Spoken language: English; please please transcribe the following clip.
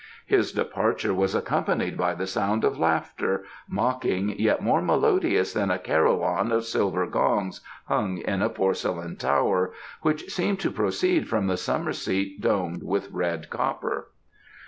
His departure was accompanied by the sound of laughter, mocking yet more melodious than a carillon of silver gongs hung in a porcelain tower, which seemed to proceed from the summer seat domed with red copper."